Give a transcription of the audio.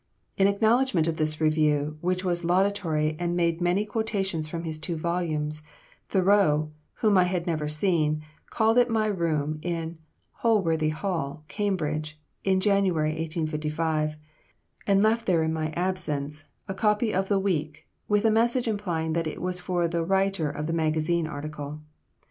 In acknowledgment of this review, which was laudatory and made many quotations from his two volumes, Thoreau, whom I had never seen, called at my room in Holworthy Hall, Cambridge, in January, 1855, and left there in my absence, a copy of the "Week" with a message implying it was for the writer of the magazine article.